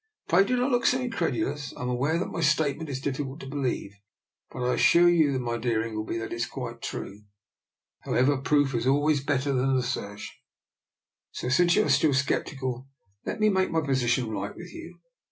Pray do not look so incredulous. I am aware that my statement is difficult to believe, but I assure you, my dear Ingleby, that it is quite true. How ever, proof is always better than assertion, so, since you are still sceptical, let me make my position right with you.